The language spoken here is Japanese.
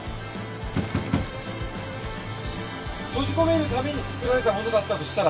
閉じ込めるために作られたものだったとしたら。